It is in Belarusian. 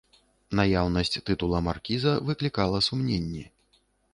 Наяўнасць тытула маркіза выклікала сумненні.